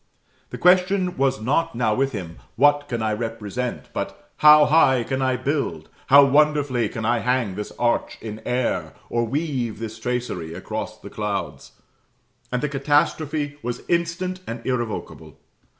The question was not now with him, What can I represent? but, How high can I build how wonderfully can I hang this arch in air, or weave this tracery across the clouds? And the catastrophe was instant and irrevocable.